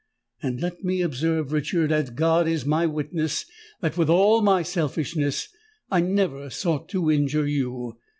And let me observe, Richard—as God is my witness!—that with all my selfishness I never sought to injure you!